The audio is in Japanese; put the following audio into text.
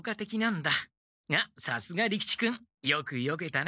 がさすが利吉君よくよけたね。